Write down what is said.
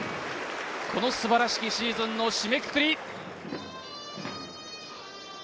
この素晴らしきシーズンの締めくくり。